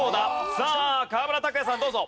さあ河村拓哉さんどうぞ。